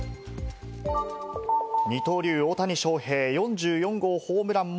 二刀流、大谷翔平４４号ホームランも。